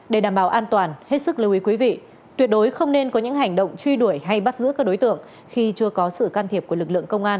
để đảm bảo an toàn hết sức lưu ý quý vị tuyệt đối không nên có những hành động truy đuổi hay bắt giữ các đối tượng khi chưa có sự can thiệp của lực lượng công an